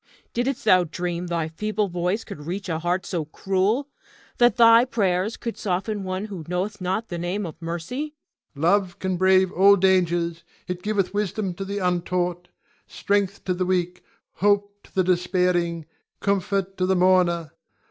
Didst thou dream thy feeble voice could reach a heart so cruel, that thy prayers could soften one who knoweth not the name of mercy? Ion. Love can brave all dangers. It giveth wisdom to the untaught, strength to the weak, hope to the despairing, comfort to the mourner.